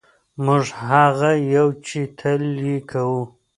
موږ هغه یو چې تل یې کوو.